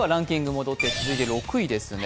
戻って、続いて６位ですね。